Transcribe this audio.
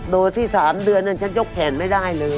โดยที่๓เดือนฉันยกแขนไม่ได้เลย